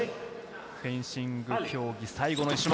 フェンシング競技、最後の種目。